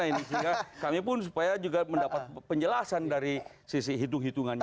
sehingga kami pun supaya juga mendapat penjelasan dari sisi hitung hitungannya